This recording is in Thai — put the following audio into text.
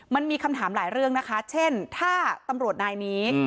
มันมีคำถามหลายเรื่องนะคะเช่นถ้าตำรวจนายนี้